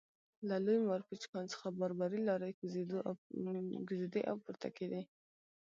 له لوی مارپیچ کان څخه باربري لارۍ کوزېدې او پورته کېدې